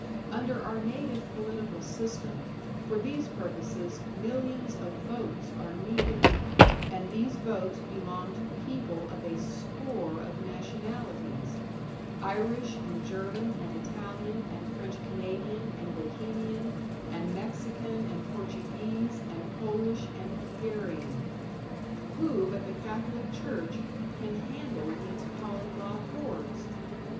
Under our native political system, for these purposes millions of votes are needed; and these votes belong to people of a score of nationalities Irish and German and Italian and French Canadian and Bohemian and Mexican and Portuguese and Polish and Hungarian. Who but the Catholic Church can handle these polyglot hordes?